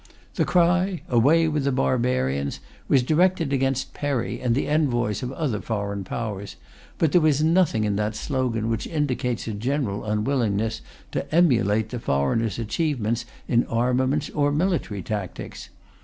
The cry, "Away with the barbarians!" was directed against Perry and the envoys of other foreign Powers, but there was nothing in that slogan which indicates a general unwillingness to emulate the foreigners' achievements in armaments or military tactics.